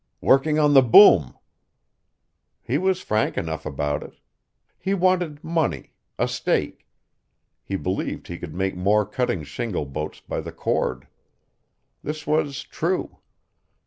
"Working on the boom." He was frank enough about it. He wanted money, a stake. He believed he could make more cutting shingle bolts by the cord. This was true.